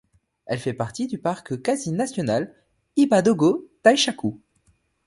Elle fait partie du parc quasi national Hiba-Dogo-Taishaku.